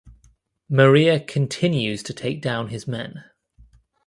Maria continues to take down his men.